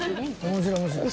面白い面白い。